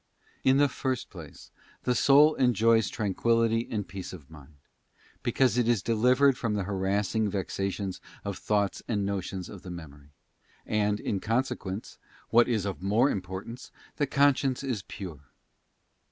In the first place, the soul enjoys tranquillity and peace of 1. Peace of 'mind, because it is delivered from the harassing vexations of thoughts and notions of the memory; and, in consequence, what is of more importance, the conscience is pure.